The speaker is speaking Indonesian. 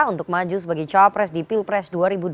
untuk maju sebagai co pres di pilpres dua ribu dua puluh empat